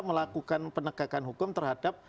melakukan penegakan hukum terhadap